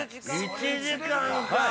◆１時間かぁ。